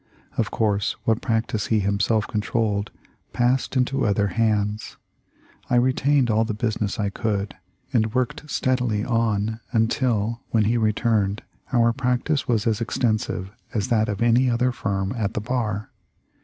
Of course, what practice he himself controlled passed into other hands. I retained all the business I could, and worked stead ily on until, when he returned, our practice was as extensive as that of any other firm at the bar.